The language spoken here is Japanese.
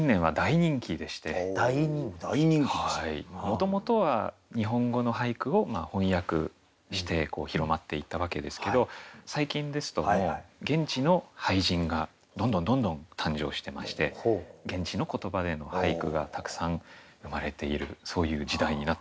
もともとは日本語の俳句を翻訳して広まっていったわけですけど最近ですと現地の俳人がどんどんどんどん誕生してまして現地の言葉での俳句がたくさん生まれているそういう時代になってきました。